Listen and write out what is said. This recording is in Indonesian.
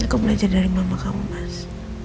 aku belajar dari mama kamu mas